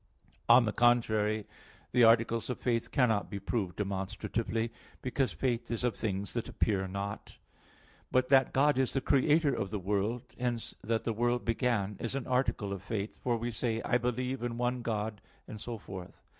On the contrary, The articles of faith cannot be proved demonstratively, because faith is of things "that appear not" (Heb. 11:1). But that God is the Creator of the world: hence that the world began, is an article of faith; for we say, "I believe in one God," etc.